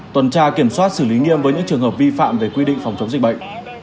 tuần tra kiểm soát xử lý nghiêm với những trường hợp vi phạm về quy định phòng chống dịch bệnh